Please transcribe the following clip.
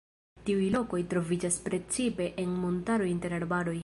Tiuj lokoj troviĝas precipe en montaro inter arbaroj.